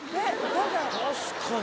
確かに。